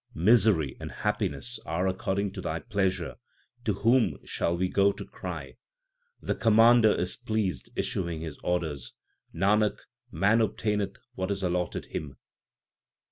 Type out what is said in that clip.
Misery and happiness are according to Thy pleasure ; to whom shall we go to cry ? The Commander is pleased issuing His orders ; Nanak, man obtaineth what is allotted him.